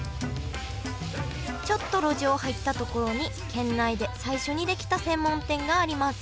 ちょっと路地を入った所に県内で最初に出来た専門店があります